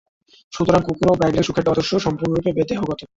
সুতরাং কুকুর ও ব্যাঘ্রের সুখের আদর্শ সম্পূর্ণরূপে দেহগত।